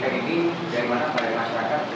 dari mana pada masyarakat